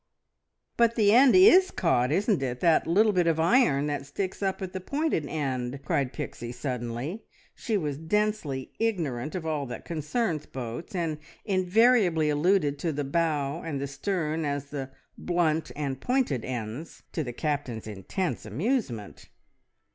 "But the end is caught, isn't it? That little bit of iron that sticks up at the pointed end!" cried Pixie suddenly. She was densely ignorant of all that concerns boats, and invariably alluded to the bow and the stern as the "blunt" and "pointed" ends, to the Captain's intense amusement.